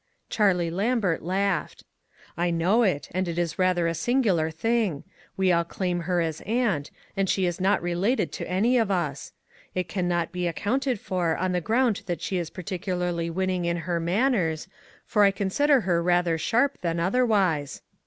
Charlie Lambert laughed. "I know it; and it is rather a singular thing. We all clain her as aunt, and she is not related to any of us. It can not be accounted for on the ground that she is particularly winning ID her manners, for I 76 ONE COMMONPLACE DAY. consider her rather sharp than otherwise.